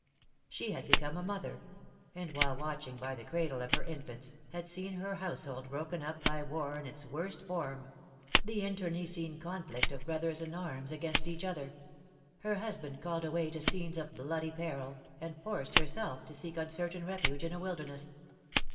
She had become a mother; and, while watching by the cradle of her infants, had seen her household broken up by war in its worst form the internecine conflict of brothers in arms against each other her husband called away to scenes of bloody peril, and forced, herself, to seek uncertain refuge in a wilderness.